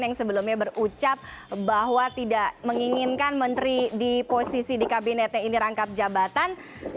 yang sebelumnya berucap bahwa tidak menginginkan menteri di posisi di kabinetnya ini rangkap jabatan